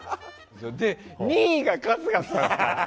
２位が春日さん。